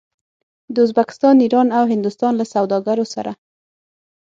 د ازبکستان، ایران او هندوستان له سوداګرو سره